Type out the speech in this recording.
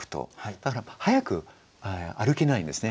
だから早く歩けないんですね。